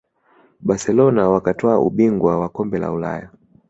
barcelona wakatwaa ubingwa wa kombe la ulaya